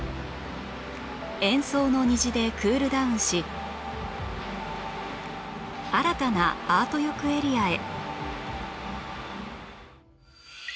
円相の虹でクールダウンし新たなアート浴エリアへ